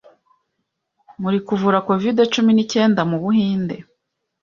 mu kuvura Covid-cumi nicyenda mu Buhinde